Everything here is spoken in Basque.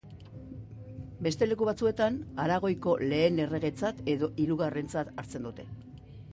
Beste leku batzuetan Aragoiko lehen erregetzat edo hirugarrentzat hartzen dute.